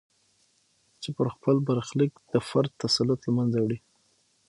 چې پر خپل برخلیک د فرد تسلط له منځه وړي.